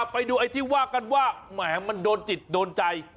ไปดูไอ้ที่ว่ากันว่าแหมมันโดนจิตโดนใจ